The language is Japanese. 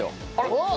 おっ！